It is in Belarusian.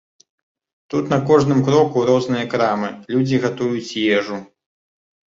Тут на кожным кроку розныя крамы, людзі гатуюць ежу.